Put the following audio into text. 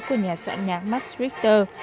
của nhà soạn nhạc max richter